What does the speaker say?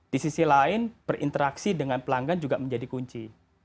di sisi lain berinteraksi dengan pelanggan juga menjadi kunci